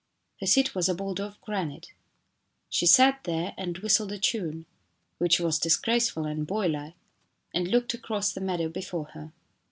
Her seat was a boulder of granite. She sat there and whistled a tune which was dis graceful and boylike and looked across the meadow before her.